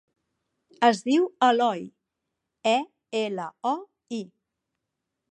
Es diu Eloi: e, ela, o, i.